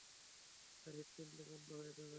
তার হৃদপিন্ড বন্ধ হয়ে যাবে।